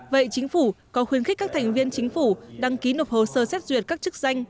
vậy chính phủ có khuyến khích các thành viên chính phủ đăng ký nộp hồ sơ xét duyệt các chức danh